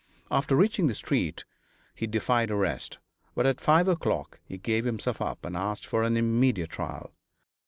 After reaching the street he defied arrest, but at five o'clock he gave himself up and asked for an immediate trial.